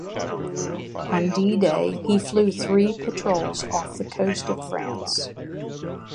On D-Day he flew three patrols off the coast of France.